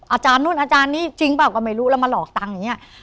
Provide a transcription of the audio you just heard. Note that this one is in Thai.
อาจารย์นู่นอาจารย์นี้จริงเปล่าก็ไม่รู้แล้วมาหลอกตังค์อย่างนี้